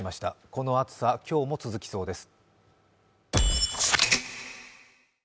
この暑さ、今日も続きそうです。